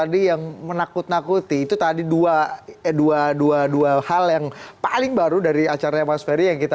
kita masuk ke lebih substansi